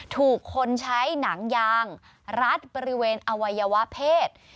ถูกคนใช้หนังยางรัดบริเวณอวัยวะเพศ